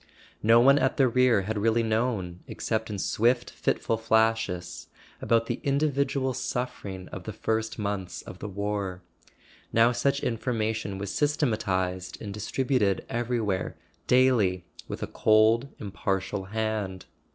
No one at the rear had really known, except in swift fitful flashes, about the in¬ dividual suffering of the first months of the war; now such information was systematized and distributed everywhere, daily, with a cold impartial hand.